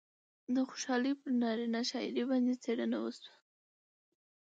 د خوشال پر نارينه شاعرۍ باندې څېړنه وشي